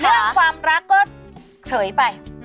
เรื่องความรักก็เฉยไป